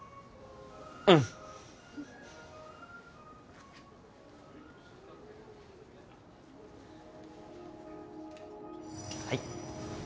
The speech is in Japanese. うんはい